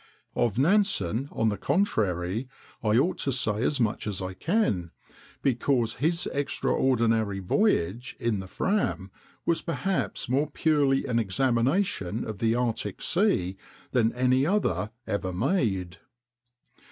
Of Nansen, on the contrary, I ought to say as much as I can, because his extraordinary voyage in the Fram was perhaps more purely an examination of the Arctic Sea than any other ever made.